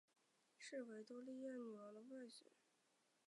是维多利亚女王的外孙。